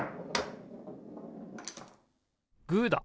グーだ！